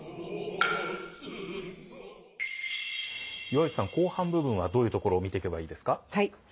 石淵さん後半部分はどういうところ見ていけばいいですか？